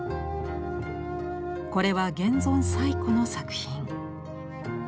これは現存最古の作品。